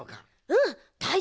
うん。